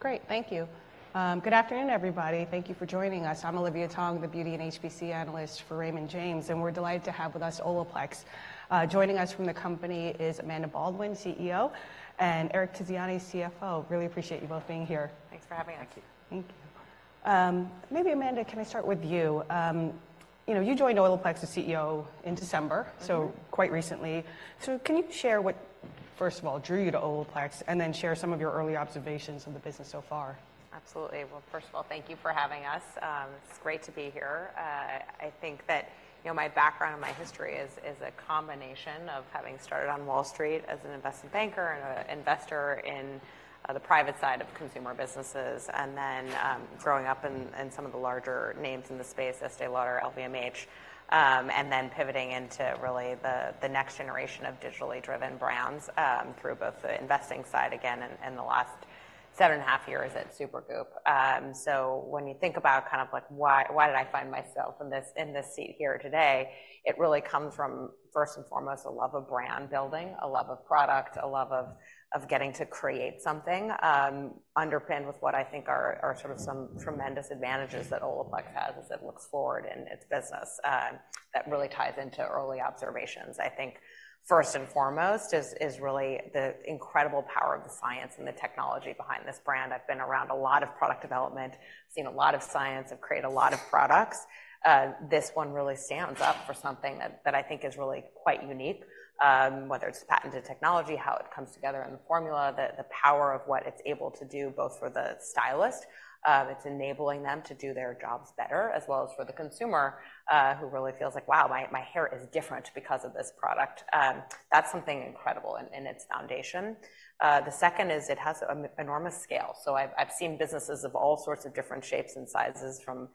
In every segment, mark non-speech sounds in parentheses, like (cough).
Great. Thank you. Good afternoon, everybody. Thank you for joining us. I'm Olivia Tong, the Beauty and HPC analyst for Raymond James, and we're delighted to have with us Olaplex. Joining us from the company is Amanda Baldwin, CEO, and Eric Tiziani, CFO. Really appreciate you both being here. Thanks for having us. Thank you. Thank you. Maybe, Amanda, can I start with you? You know, you joined Olaplex as CEO in December so quite recently. So can you share what, first of all, drew you to Olaplex, and then share some of your early observations of the business so far? Absolutely. Well, first of all, thank you for having us. It's great to be here. I think that, you know, my background and my history is, is a combination of having started on Wall Street as an investment banker and an investor in the private side of consumer businesses, and then growing up in some of the larger names in the space, Estée Lauder, LVMH, and then pivoting into really the next generation of digitally driven brands through both the investing side again and the last seven and a half years at Supergoop! So when you think about kind of like, why did I find myself in this seat here today, it really comes from, first and foremost, a love of brand building, a love of product, a love of getting to create something, underpinned with what I think are sort of some tremendous advantages that Olaplex has as it looks forward in its business. That really ties into early observations. I think first and foremost is really the incredible power of the science and the technology behind this brand. I've been around a lot of product development, seen a lot of science, and created a lot of products. This one really stands up for something that I think is really quite unique, whether it's patented technology, how it comes together in the formula, the power of what it's able to do, both for the stylist, it's enabling them to do their jobs better, as well as for the consumer, who really feels like: Wow, my hair is different because of this product. That's something incredible in its foundation. The second is it has an enormous scale. So I've seen businesses of all sorts of different shapes and sizes, from,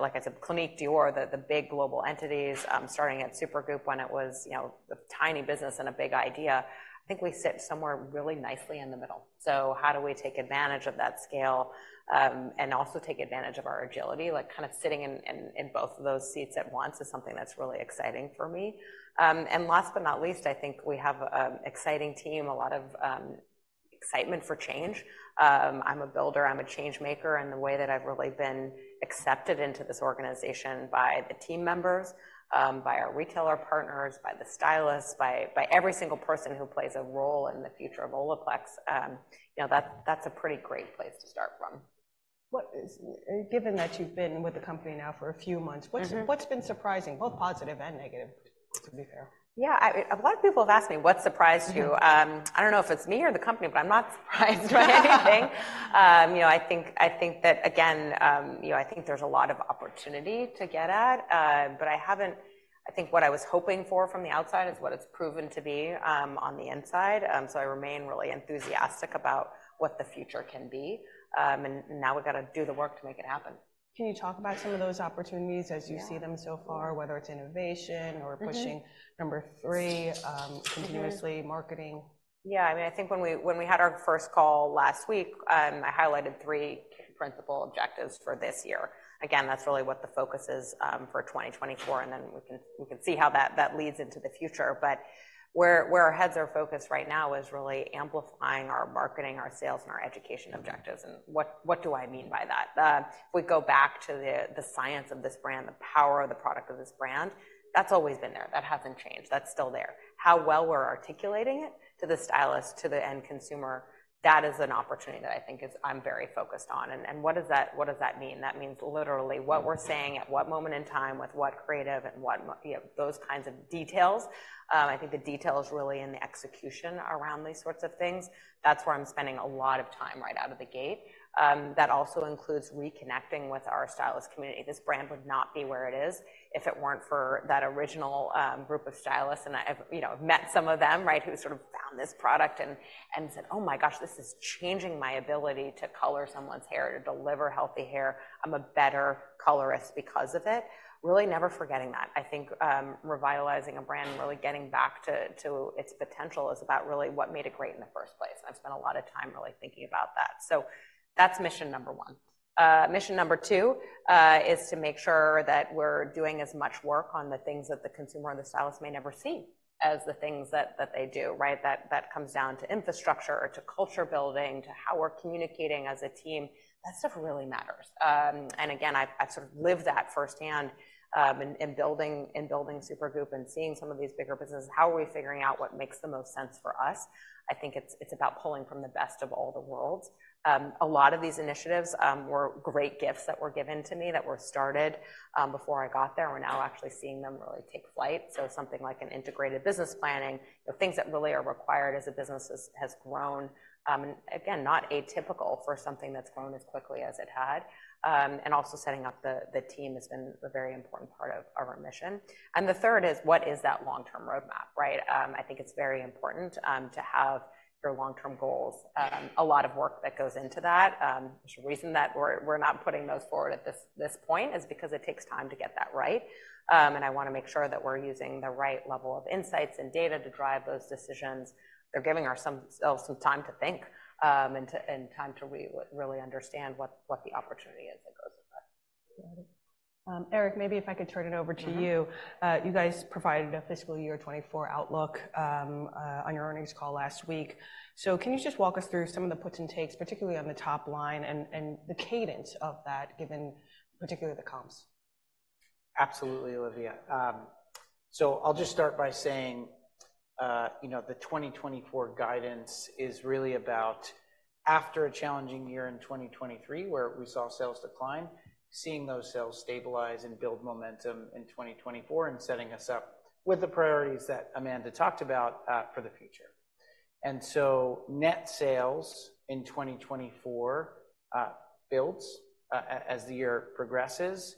like I said, Clinique, Dior, the big global entities, starting at Supergoop! when it was, you know, a tiny business and a big idea. I think we sit somewhere really nicely in the middle. So how do we take advantage of that scale, and also take advantage of our agility? Like, kind of sitting in both of those seats at once is something that's really exciting for me. And last but not least, I think we have an exciting team, a lot of excitement for change. I'm a builder, I'm a change maker, and the way that I've really been accepted into this organization by the team members, by our retailer partners, by the stylists, by every single person who plays a role in the future of Olaplex, you know, that's a pretty great place to start from. Given that you've been with the company now for a few months, what's been surprising, both positive and negative, to be fair? Yeah, a lot of people have asked me, what surprised you? I don't know if it's me or the company, but I'm not surprised by anything. You know, I think, I think that, again, you know, I think there's a lot of opportunity to get at, but I think what I was hoping for from the outside is what it's proven to be, on the inside. So I remain really enthusiastic about what the future can be. And now we've got to do the work to make it happen. Can you talk about some of those opportunities as you see them so far, whether it's innovation or pushing, number three, ominuously marketing? Yeah, I mean, I think when we had our first call last week, I highlighted three principal objectives for this year. Again, that's really what the focus is for 2024, and then we can see how that leads into the future. But where our heads are focused right now is really amplifying our marketing, our sales, and our education objectives. And what do I mean by that? If we go back to the science of this brand, the power of the product of this brand, that's always been there. That hasn't changed. That's still there. How well we're articulating it to the stylist, to the end consumer, that is an opportunity that I think is. I'm very focused on. And what does that mean? That means literally what we're saying at what moment in time with what creative and what, you know, those kinds of details. I think the detail is really in the execution around these sorts of things. That's where I'm spending a lot of time right out of the gate. That also includes reconnecting with our stylist community. This brand would not be where it is if it weren't for that original group of stylists, and I've, you know, met some of them, right, who sort of found this product and said: Oh my gosh, this is changing my ability to color someone's hair, to deliver healthy hair. I'm a better colorist because of it. Really never forgetting that. I think revitalizing a brand and really getting back to its potential is about really what made it great in the first place. I've spent a lot of time really thinking about that. So that's mission number 1. Mission number 2 is to make sure that we're doing as much work on the things that the consumer and the stylist may never see, as the things that they do, right? That comes down to infrastructure, to culture building, to how we're communicating as a team. That stuff really matters. And again, I sort of lived that firsthand, in building Supergoop! and seeing some of these bigger businesses. How are we figuring out what makes the most sense for us? I think it's about pulling from the best of all the worlds. A lot of these initiatives were great gifts that were given to me that were started before I got there. We're now actually seeing them really take flight. So something like an Integrated Business Planning, the things that really are required as a business has grown, and again, not atypical for something that's grown as quickly as it had. And also setting up the team has been a very important part of our mission. And the third is, what is that long-term roadmap, right? I think it's very important to have your long-term goals. A lot of work that goes into that. There's a reason that we're not putting those forward at this point, is because it takes time to get that right. And I want to make sure that we're using the right level of insights and data to drive those decisions. They're giving ourselves some time to think, and time to really understand what the opportunity is that goes with that. Eric, maybe if I could turn it over to you. You guys provided a fiscal year 2024 outlook on your earnings call last week. So can you just walk us through some of the puts and takes, particularly on the top line and the cadence of that, given particularly the comps? Absolutely, Olivia. So I'll just start by saying, you know, the 2024 guidance is really about after a challenging year in 2023, where we saw sales decline, seeing those sales stabilize and build momentum in 2024 and setting us up with the priorities that Amanda talked about, for the future. So net sales in 2024 builds as the year progresses.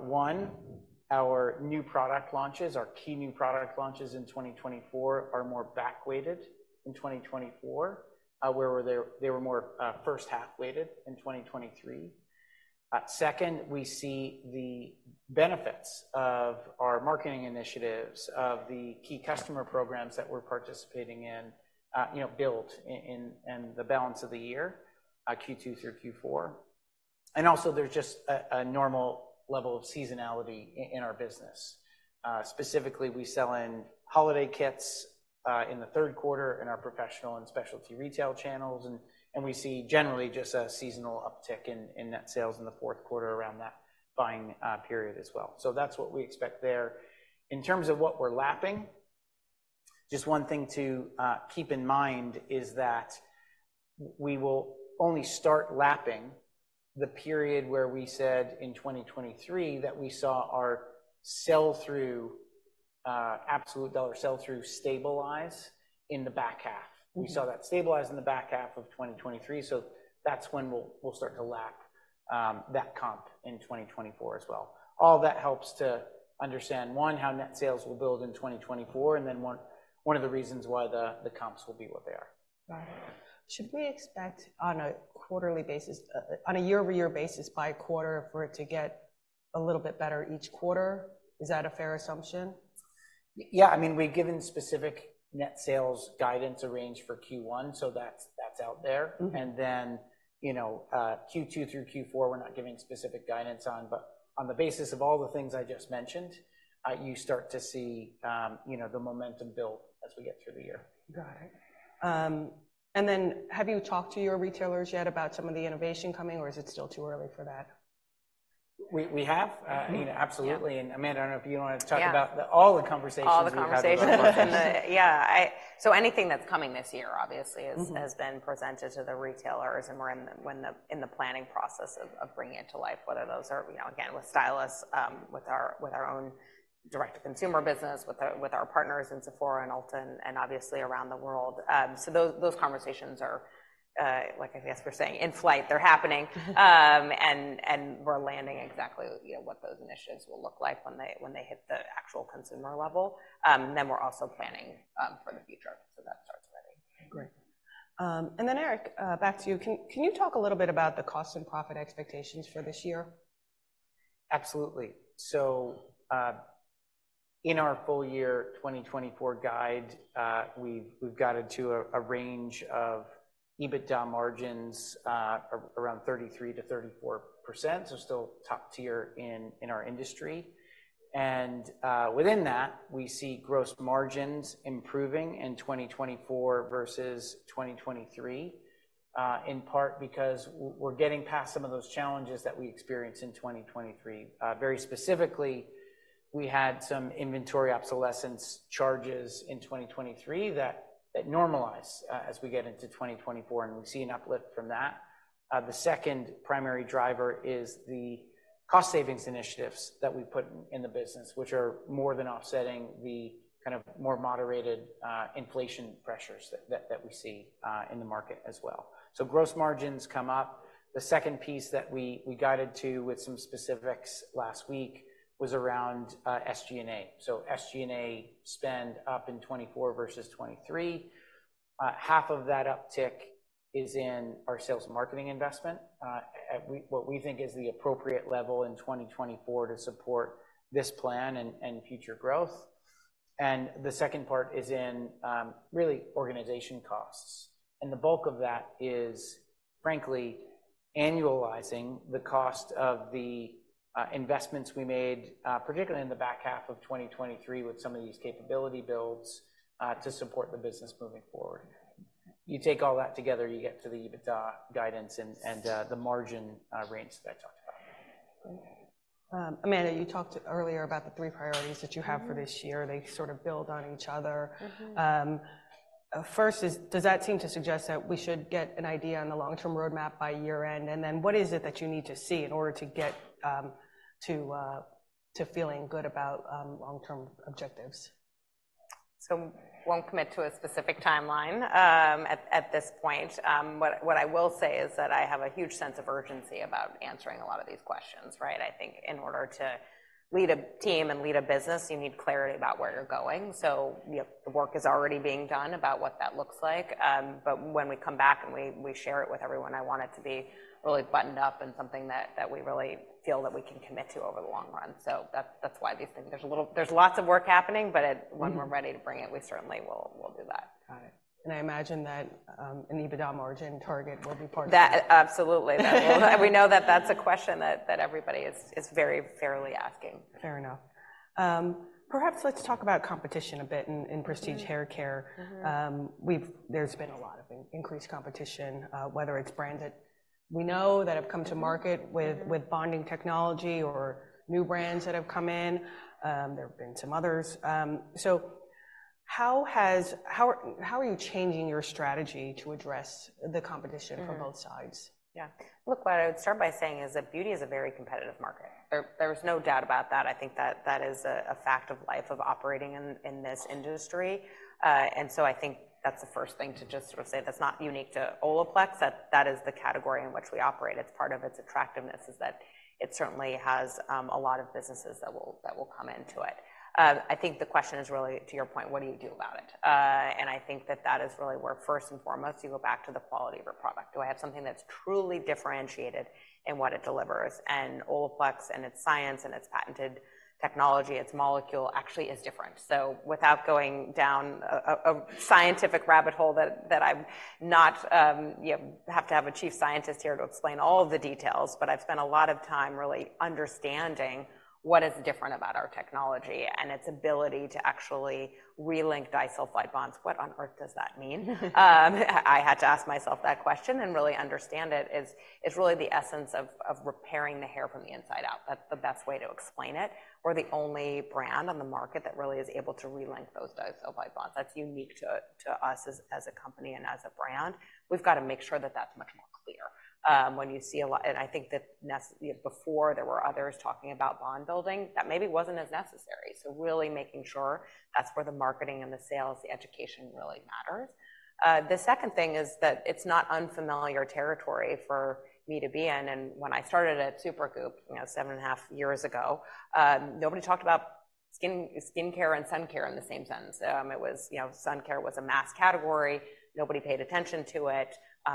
One, our new product launches, our key new product launches in 2024, are more back-weighted in 2024, where they were more first-half weighted in 2023. Second, we see the benefits of our marketing initiatives, of the key customer programs that we're participating in, you know, build in the balance of the year, Q2 through Q4. And also, there's just a normal level of seasonality in our business. Specifically, we sell in holiday kits in the third quarter in our professional and specialty retail channels, and we see generally just a seasonal uptick in net sales in the fourth quarter around that buying period as well. So that's what we expect there. In terms of what we're lapping, just one thing to keep in mind is that we will only start lapping the period where we said in 2023 that we saw our sell-through absolute dollar sell-through stabilize in the back half. We saw that stabilize in the back half of 2023, so that's when we'll, we'll start to lap that comp in 2024 as well. All that helps to understand, one, how net sales will build in 2024, and then one—one of the reasons why the, the comps will be what they are. Got it. Should we expect on a quarterly basis, on a year-over-year basis by quarter, for it to get a little bit better each quarter? Is that a fair assumption? Yeah, I mean, we've given specific net sales guidance, a range for Q1, so that's, that's out there. And then, you know, Q2 through Q4, we're not giving specific guidance on, but on the basis of all the things I just mentioned, you start to see, you know, the momentum build as we get through the year. Got it. And then have you talked to your retailers yet about some of the innovation coming, or is it still too early for that? We have, I mean, absolutely. And, Amanda, I don't know if you want to talk about- Yeah - all the conversations you're having. All the conversations. So anything that's coming this year, obviously, has been presented to the retailers, and we're in the planning process of bringing it to life, whether those are, you know, again, with stylists, with our own direct-to-consumer business-... with our partners in Sephora and Ulta, and obviously around the world. So those conversations are, like, I guess we're saying, in flight, they're happening. We're landing exactly, you know, what those initiatives will look like when they hit the actual consumer level. We're also planning for the future, so that starts ready. Great. And then, Eric, back to you. Can you talk a little bit about the cost and profit expectations for this year? Absolutely. So, in our full year 2024 guide, we've guided to a range of EBITDA margins around 33%-34%, so still top tier in our industry. And within that, we see gross margins improving in 2024 versus 2023, in part because we're getting past some of those challenges that we experienced in 2023. Very specifically, we had some inventory obsolescence charges in 2023 that normalize as we get into 2024, and we see an uplift from that. The second primary driver is the cost savings initiatives that we've put in the business, which are more than offsetting the kind of more moderated inflation pressures that we see in the market as well. So gross margins come up. The second piece that we guided to with some specifics last week was around SG&A. So SG&A spend up in 2024 versus 2023. Half of that uptick is in our sales and marketing investment at what we think is the appropriate level in 2024 to support this plan and future growth. And the second part is in really organization costs, and the bulk of that is, frankly, annualizing the cost of the investments we made, particularly in the back half of 2023, with some of these capability builds to support the business moving forward. You take all that together, you get to the EBITDA guidance and the margin range that I talked about. Amanda, you talked earlier about the three priorities that you have for this year. They sort of build on each other. First is, does that seem to suggest that we should get an idea on the long-term roadmap by year-end? And then what is it that you need to see in order to get to feeling good about long-term objectives? So won't commit to a specific timeline at this point. What I will say is that I have a huge sense of urgency about answering a lot of these questions, right? I think in order to lead a team and lead a business, you need clarity about where you're going. So, you know, the work is already being done about what that looks like, but when we come back and we share it with everyone, I want it to be really buttoned up and something that we really feel that we can commit to over the long run. So that, that's why these things. There's lots of work happening, but it, when we're ready to bring it, we certainly will, will do that. Got it. And I imagine that, an EBITDA margin target will be part of that? That, absolutely. That will. We know that that's a question that everybody is very fairly asking. Fair enough. Perhaps let's talk about competition a bit in prestige haircare. There's been a lot of increased competition, whether it's brands that we know that have come to market- with bonding technology or new brands that have come in. There have been some others. So how are you changing your strategy to address the competition?... from both sides? Yeah. Look, what I would start by saying is that beauty is a very competitive market. There is no doubt about that. I think that is a fact of life of operating in this industry. And so I think that's the first thing to just sort of say, that's not unique to Olaplex, that is the category in which we operate. It's part of its attractiveness, is that it certainly has a lot of businesses that will come into it. I think the question is really, to your point, what do you do about it? And I think that is really where, first and foremost, you go back to the quality of your product. Do I have something that's truly differentiated in what it delivers? Olaplex, and its science, and its patented technology, its molecule actually is different. So without going down a scientific rabbit hole that I'm not... You have to have a chief scientist here to explain all of the details, but I've spent a lot of time really understanding what is different about our technology and its ability to actually relink disulfide bonds. What on earth does that mean? I had to ask myself that question and really understand it, is it's really the essence of repairing the hair from the inside out. That's the best way to explain it. We're the only brand on the market that really is able to relink those disulfide bonds. That's unique to us as a company and as a brand. We've got to make sure that that's much more clear. I think that necessarily, before there were others talking about bond building, that maybe wasn't as necessary. So really making sure that's where the marketing and the sales, the education really matters. The second thing is that it's not unfamiliar territory for me to be in. And when I started at Supergoop!, you know, seven and a half years ago, nobody talked about skin, skincare and sun care in the same sentence. It was, you know, sun care was a mass category. Nobody paid attention to it.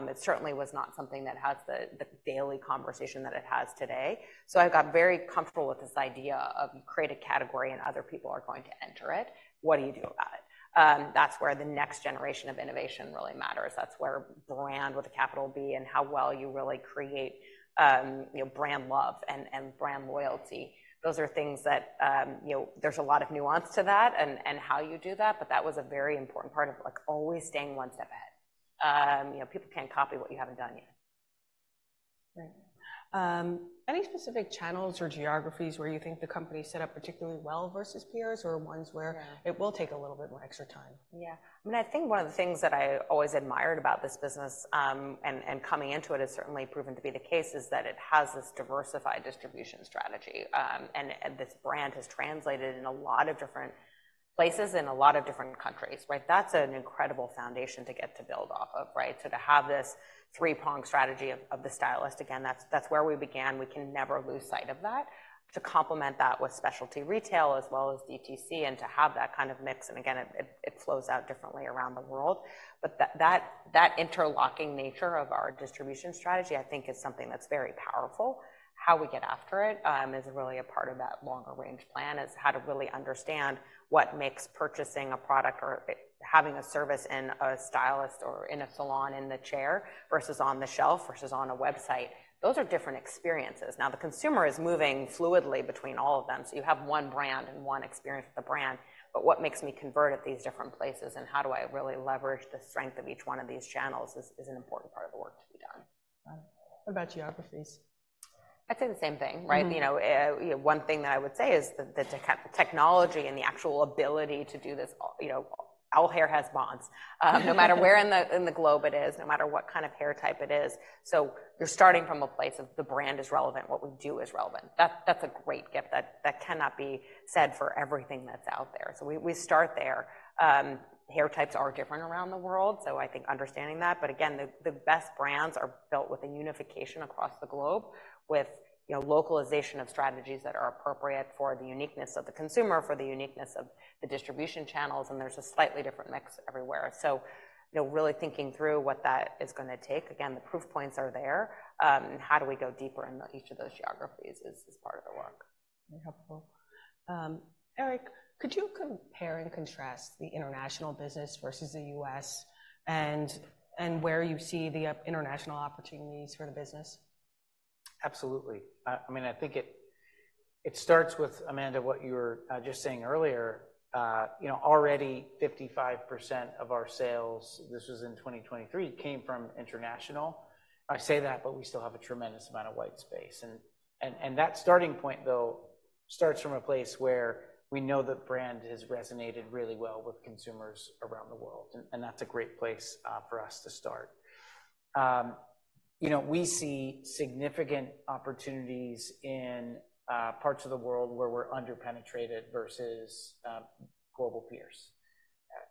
It certainly was not something that had the daily conversation that it has today. So I've got very comfortable with this idea of you create a category and other people are going to enter it. What do you do about it? That's where the next generation of innovation really matters. That's where the brand, with the capital will be, and how well you really create, you know, brand love and, and brand loyalty. Those are things that, you know, there's a lot of nuance to that and, and how you do that, but that was a very important part of, like, always staying one step ahead. You know, people can't copy what you haven't done yet. Great. Any specific channels or geographies where you think the company is set up particularly well versus peers, or ones where-... it will take a little bit more extra time? Yeah. I mean, I think one of the things that I always admired about this business, and coming into it, has certainly proven to be the case, is that it has this diversified distribution strategy. And this brand has translated in a lot of different places, in a lot of different countries, right? That's an incredible foundation to get to build off of, right? So to have this three-prong strategy of the stylist, again, that's where we began. We can never lose sight of that. To complement that with specialty retail as well as DTC, and to have that kind of mix, and again, it flows out differently around the world. But that interlocking nature of our distribution strategy, I think, is something that's very powerful. How we get after it is really a part of that longer-range plan, is how to really understand what makes purchasing a product or having a service in a stylist or in a salon, in the chair, versus on the shelf, versus on a website. Those are different experiences. Now, the consumer is moving fluidly between all of them. So you have one brand and one experience with the brand, but what makes me convert at these different places, and how do I really leverage the strength of each one of these channels, is an important part of the work to be done. What about geographies? I'd say the same thing, right? You know, one thing that I would say is that the technology and the actual ability to do this, you know, all hair has bonds. No matter where in the globe it is, no matter what kind of hair type it is. So you're starting from a place of the brand is relevant, what we do is relevant. That, that's a great gift that, that cannot be said for everything that's out there. So we, we start there. Hair types are different around the world, so I think understanding that, but again, the best brands are built with a unification across the globe, with, you know, localization of strategies that are appropriate for the uniqueness of the consumer, for the uniqueness of the distribution channels, and there's a slightly different mix everywhere. You know, really thinking through what that is gonna take. Again, the proof points are there. How do we go deeper in each of those geographies is part of the work. Very helpful. Eric, could you compare and contrast the international business versus the U.S., and where you see the international opportunities for the business? Absolutely. I mean, I think it starts with, Amanda, what you were just saying earlier. You know, already 55% of our sales, this was in 2023, came from international. I say that, but we still have a tremendous amount of white space. And that starting point, though, starts from a place where we know the brand has resonated really well with consumers around the world, and that's a great place for us to start. You know, we see significant opportunities in parts of the world where we're under-penetrated versus global peers.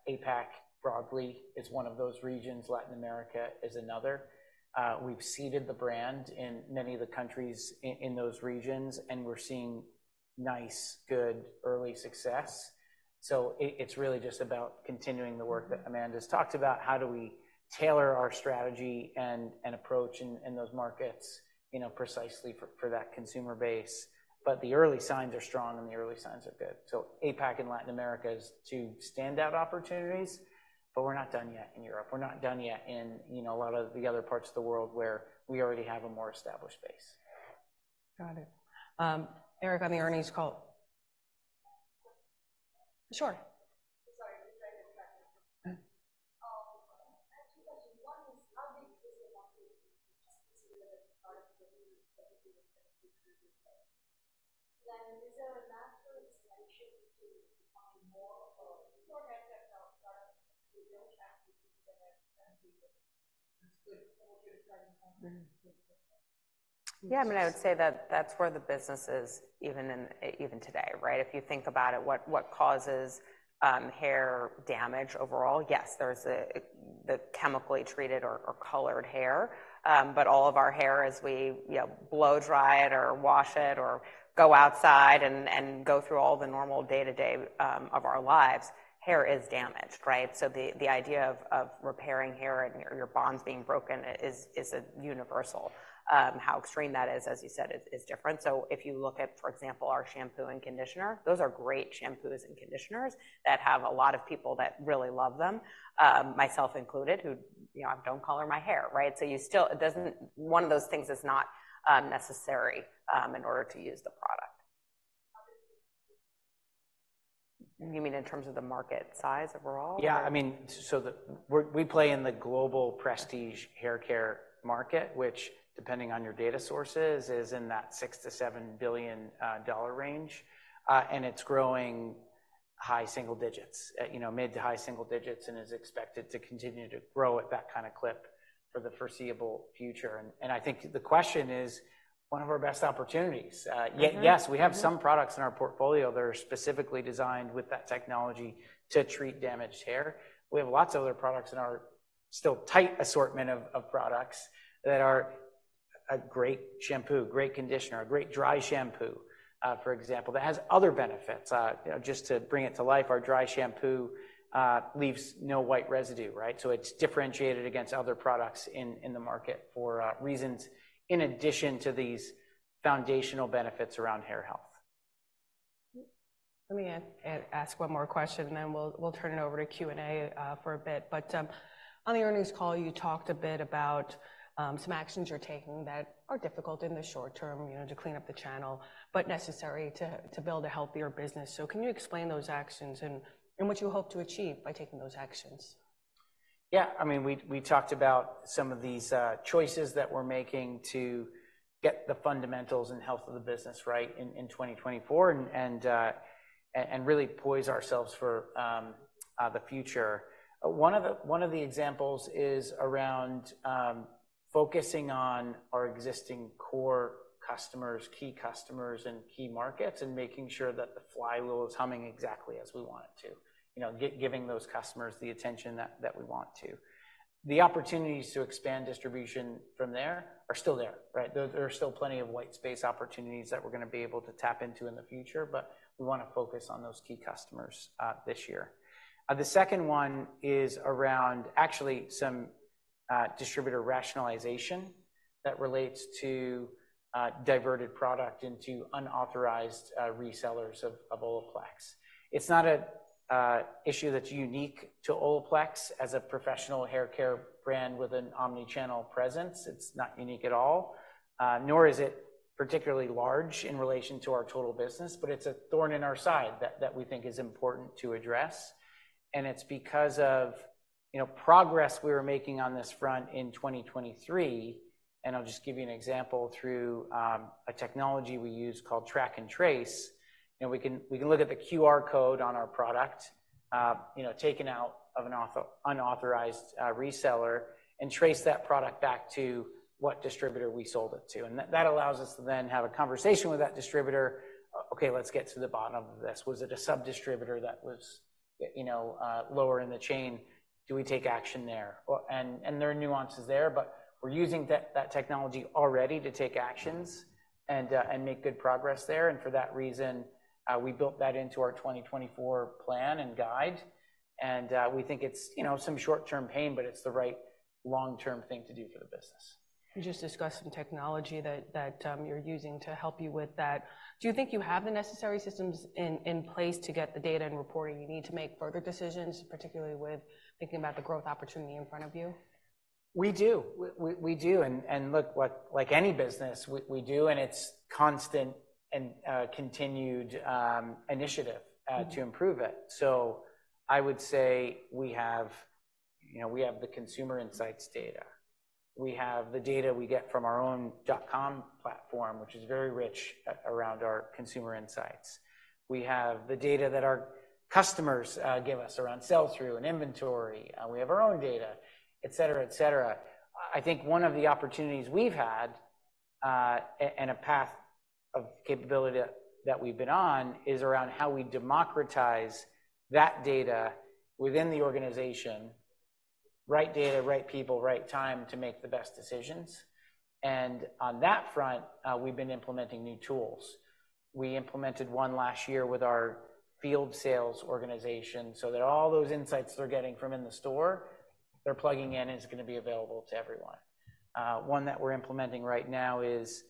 APAC, broadly, is one of those regions. Latin America is another. We've seeded the brand in many of the countries in those regions, and we're seeing nice, good early success. So it, it's really just about continuing the work that Amanda's talked about. How do we tailor our strategy and approach in those markets, you know, precisely for that consumer base? But the early signs are strong, and the early signs are good. So APAC and Latin America is two standout opportunities, but we're not done yet in Europe. We're not done yet in, you know, a lot of the other parts of the world where we already have a more established base. Got it. Eric, on the (audio distortion) call. Sure. (audio distortion) Yeah, I mean, I would say that that's where the business is, even in, even today, right? If you think about it, what causes hair damage overall? Yes, there's the chemically treated or colored hair, but all of our hair as we, you know, blow dry it, or wash it, or go outside and go through all the normal day-to-day of our lives, hair is damaged, right? So the idea of repairing hair and your bonds being broken is a universal. How extreme that is, as you said, is different. So if you look at, for example, our shampoo and conditioner, those are great shampoos and conditioners that have a lot of people that really love them, myself included, who, you know, I don't color my hair, right? One of those things is not necessary in order to use the product. (audio distortion) You mean in terms of the market size overall? Yeah, I mean, so we play in the global prestige haircare market, which, depending on your data sources, is in that $6 billion-$7 billion range, and it's growing high single digits, you know, mid to high single digits and is expected to continue to grow at that kind of clip for the foreseeable future. I think the question is one of our best opportunities.... yes, we have some products in our portfolio that are specifically designed with that technology to treat damaged hair. We have lots of other products in our still tight assortment of products that are a great shampoo, great conditioner, a great dry shampoo, for example, that has other benefits. You know, just to bring it to life, our dry shampoo leaves no white residue, right? So it's differentiated against other products in the market for reasons in addition to these foundational benefits around hair health. Let me ask one more question, and then we'll turn it over to Q&A for a bit. But on the earnings call, you talked a bit about some actions you're taking that are difficult in the short term, you know, to clean up the channel, but necessary to build a healthier business. So can you explain those actions and what you hope to achieve by taking those actions? Yeah. I mean, we talked about some of these choices that we're making to get the fundamentals and health of the business right in 2024, and really poise ourselves for the future. One of the examples is around focusing on our existing core customers, key customers, and key markets, and making sure that the flywheel is humming exactly as we want it to. You know, giving those customers the attention that we want to. The opportunities to expand distribution from there are still there, right? There are still plenty of white space opportunities that we're gonna be able to tap into in the future, but we want to focus on those key customers this year. The second one is around actually some distributor rationalization that relates to diverted product into unauthorized resellers of Olaplex. It's not a issue that's unique to Olaplex as a professional haircare brand with an omni-channel presence. It's not unique at all, nor is it particularly large in relation to our total business, but it's a thorn in our side that we think is important to address, and it's because of, you know, progress we were making on this front in 2023. I'll just give you an example through a technology we use called Track and Trace. You know, we can look at the QR code on our product, you know, taken out of an unauthorized reseller, and trace that product back to what distributor we sold it to. And that allows us to then have a conversation with that distributor. "Okay, let's get to the bottom of this. Was it a sub-distributor that was, you know, lower in the chain? Do we take action there?" Well, there are nuances there, but we're using that technology already to take actions and make good progress there. And for that reason, we built that into our 2024 plan and guide, and we think it's, you know, some short-term pain, but it's the right long-term thing to do for the business. You just discussed some technology that you're using to help you with that. Do you think you have the necessary systems in place to get the data and reporting you need to make further decisions, particularly with thinking about the growth opportunity in front of you? We do. We do, and look, what—like any business, we do, and it's constant and continued initiative.... to improve it. So I would say we have, you know, we have the consumer insights data. We have the data we get from our own dot-com platform, which is very rich around our consumer insights. We have the data that our customers give us around sell-through and inventory, we have our own data, et cetera, et cetera. I think one of the opportunities we've had and a path of capability that we've been on is around how we democratize that data within the organization, right data, right people, right time to make the best decisions. And on that front, we've been implementing new tools. We implemented one last year with our field sales organization, so that all those insights they're getting from in the store, they're plugging in, and it's going to be available to everyone. One that we're implementing right now is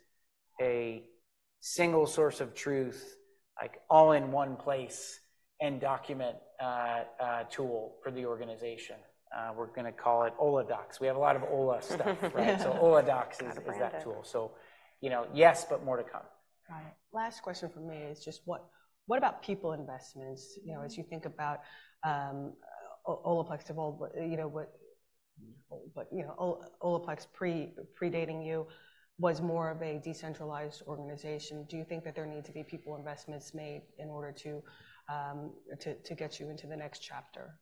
a single source of truth, like, all in one place and document tool for the organization. We're going to call it Ola docs. We have a lot of Ola stuff, right? So Ola docs is- Got to brand it.... is that tool. So, you know, yes, but more to come. Got it. Last question from me is just: what about people investments? You know, as you think about Olaplex of old, you know, but Olaplex predating you was more of a decentralized organization. Do you think that there need to be people investments made in order to get you into the next chapter?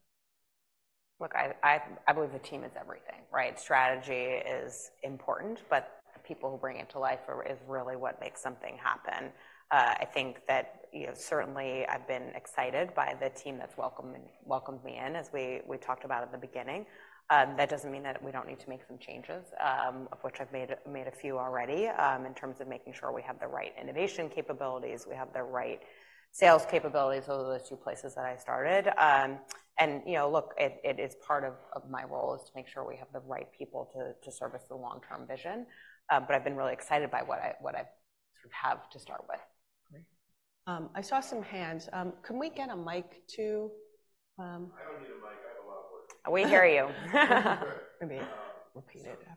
Look, I believe the team is everything, right? Strategy is important, but the people who bring it to life is really what makes something happen. I think that, you know, certainly I've been excited by the team that's welcomed me in, as we talked about at the beginning. That doesn't mean that we don't need to make some changes, of which I've made a few already, in terms of making sure we have the right innovation capabilities, we have the right sales capabilities. Those are the two places that I started. You know, look, it is part of my role is to make sure we have the right people to service the long-term vision. But I've been really excited by what I sort of have to start with. Great. I saw some hands. Can we get a mic to... I don't need a mic. I have a loud voice. We hear you. Good. Can be repeated after. (audio distortion)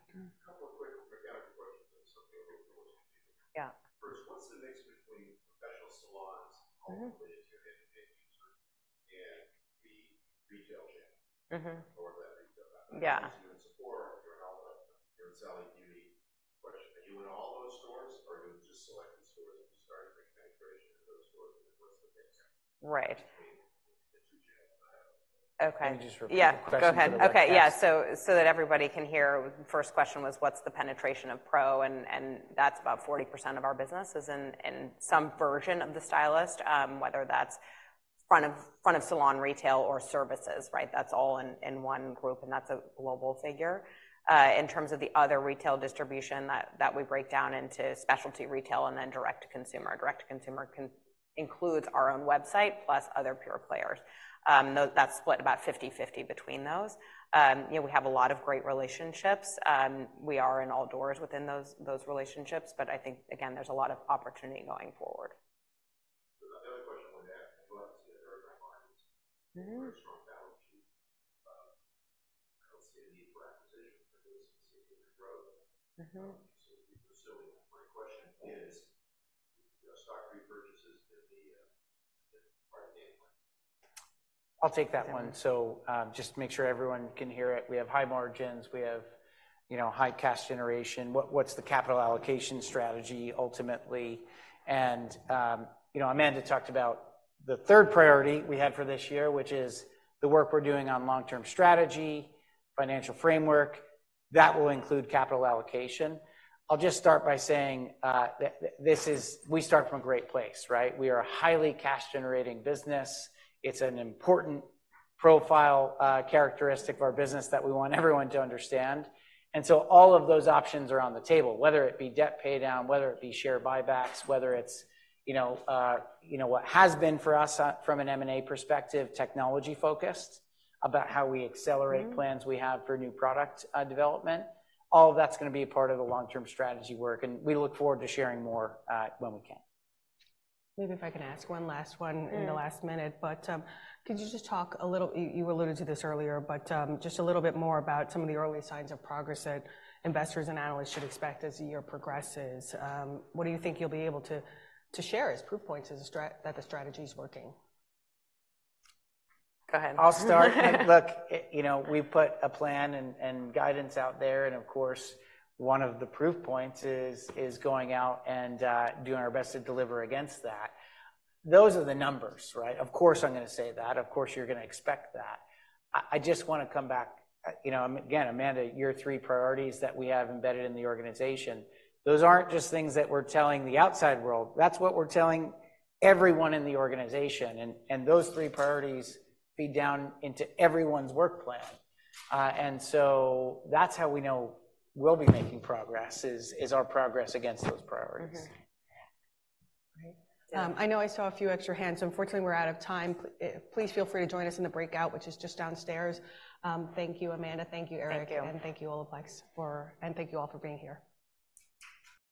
Yeah, go ahead. Okay, yeah, so that everybody can hear. The first question was: what's the penetration of pro? And that's about 40% of our business is in some version of the stylist, whether that's front of salon retail or services, right? That's all in one group, and that's a global figure. In terms of the other retail distribution, that we break down into specialty retail and then direct-to-consumer. Direct-to-consumer includes our own website, plus other pure players. Though that's split about 50/50 between those. You know, we have a lot of great relationships. We are in all doors within those relationships, but I think, again, there's a lot of opportunity going forward. (audio distortion) I'll take that one. So, just to make sure everyone can hear it, we have high margins, we have, you know, high cash generation. What’s the capital allocation strategy ultimately? And, you know, Amanda talked about the third priority we had for this year, which is the work we’re doing on long-term strategy, financial framework. That will include capital allocation. I’ll just start by saying we start from a great place, right? We are a highly cash-generating business. It’s an important profile, characteristic of our business that we want everyone to understand. And so all of those options are on the table, whether it be debt paydown, whether it be share buybacks, whether it’s, you know, you know, what has been for us, from an M&A perspective, technology-focused, about how we accelerate-... plans we have for new product, development. All of that's going to be a part of the long-term strategy work, and we look forward to sharing more, when we can. Maybe if I can ask one last one-... in the last minute, but, could you just talk a little, you, you alluded to this earlier, but, just a little bit more about some of the early signs of progress that investors and analysts should expect as the year progresses. What do you think you'll be able to, to share as proof points that the strategy is working? Go ahead. I'll start. Look, you know, we put a plan and guidance out there, and of course, one of the proof points is going out and doing our best to deliver against that. Those are the numbers, right? Of course, I'm going to say that. Of course, you're going to expect that. I just want to come back, you know, again, Amanda, your three priorities that we have embedded in the organization, those aren't just things that we're telling the outside world. That's what we're telling everyone in the organization, and those three priorities feed down into everyone's work plan. And so that's how we know we'll be making progress, is our progress against those priorities. Great. I know I saw a few extra hands. Unfortunately, we're out of time. Please feel free to join us in the breakout, which is just downstairs. Thank you, Amanda. Thank you, Eric. Thank you all for being here.